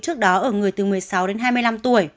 trước đó ở người từ một mươi sáu đến hai mươi năm tuổi